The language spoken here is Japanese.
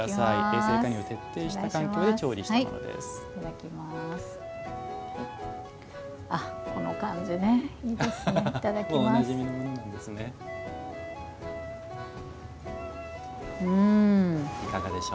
衛生管理を徹底した環境で調理したものです。